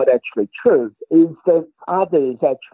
dan kita menggulung dan kita terbang